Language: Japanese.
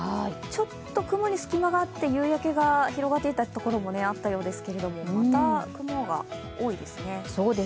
ちょっと雲に隙間があって夕焼けが広がっていたところもあったようですけどまた雲が多いですね。